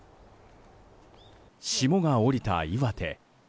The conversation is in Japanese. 霜が降りた岩手。